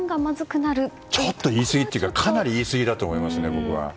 ちょっと言い過ぎというかかなり言い過ぎだと思いますね。